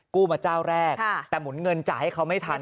กู้มาเจ้าแรกแต่หมุนเงินจ่ายให้เขาไม่ทัน